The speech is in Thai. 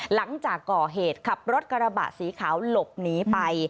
หลังจากก่อเหตุขับรถกระบะสีขาวหลบหนีไป